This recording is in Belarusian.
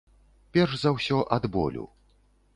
Перш за ўсё, ад болю.